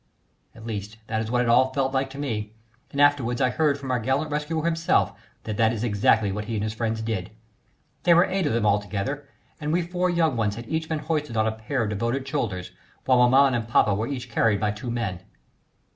At least that is what it all felt like to me, and afterwards I heard from our gallant rescuer himself that that is exactly what he and his friends did. There were eight of them altogether, and we four young ones had each been hoisted on a pair of devoted shoulders, whilst maman and papa were each carried by two men.